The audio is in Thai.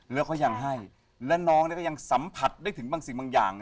แล้วเขายังให้และน้องก็ยังสัมผัสได้ถึงบางสิ่งบางอย่าง